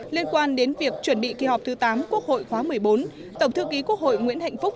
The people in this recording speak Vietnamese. liên quan đến việc chuẩn bị kỳ họp thứ tám quốc hội khóa một mươi bốn tổng thư ký quốc hội nguyễn hạnh phúc